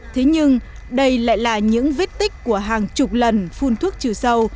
thế nhưng đây lại là những vết tích của hàng chục lần phun thuốc trừ sâu